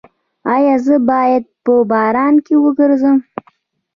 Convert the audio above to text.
ایا زه باید په باران کې وګرځم؟